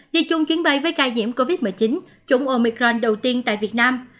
đi chung chuyến bay với ca nhiễm covid một mươi chín chủng omicron đầu tiên tại việt nam